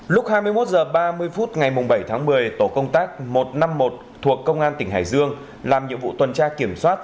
lúc hai mươi một h ba mươi phút ngày bảy tháng một mươi tổ công tác một trăm năm mươi một thuộc công an tỉnh hải dương làm nhiệm vụ tuần tra kiểm soát